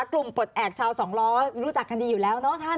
ปลดแอบชาวสองล้อรู้จักกันดีอยู่แล้วเนาะท่าน